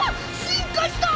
進化した！